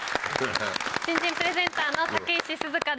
新人プレゼンターの武石鈴香です。